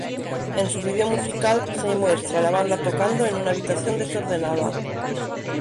En su video musical, se muestra a la banda tocando en una habitación desordenada.